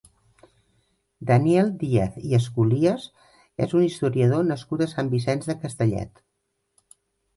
Daniel Díaz i Esculies és un historiador nascut a Sant Vicenç de Castellet.